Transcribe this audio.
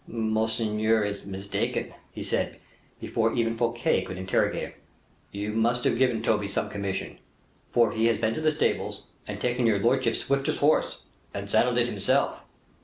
"Monseigneur is mistaken," he said, before even Fouquet could interrogate him, "you must have given Toby some commission, for he has been to the stables and taken your lordship's swiftest horse, and saddled it himself."